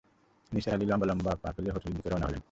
নিসার আলি লম্বা-লম্বা পা ফেলে হোটেলের দিকে রওনা হলেন।